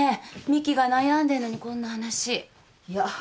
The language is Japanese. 美樹が悩んでるのにこんな話。いや。